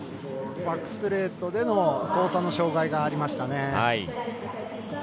バックストレートでの交差の障害がありましたね。